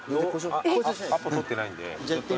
アポ取ってないんで。